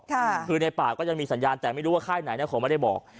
คือในป่าก็ยังมีสัญญาณแต่ไม่รู้ว่าค่ายไหนนะคงไม่ได้บอก